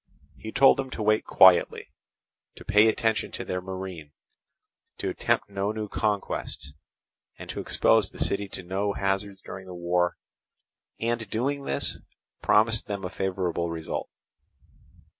He told them to wait quietly, to pay attention to their marine, to attempt no new conquests, and to expose the city to no hazards during the war, and doing this, promised them a favourable result.